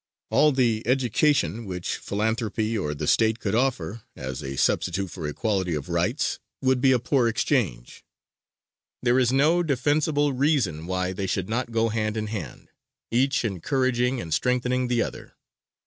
All the education which philanthropy or the State could offer as a substitute for equality of rights, would be a poor exchange; there is no defensible reason why they should not go hand in hand, each encouraging and strengthening the other.